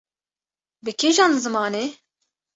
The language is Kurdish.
bi kîjan zimanê?